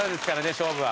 勝負は。